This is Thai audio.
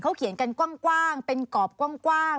เขาเขียนกันกว้างเป็นกรอบกว้าง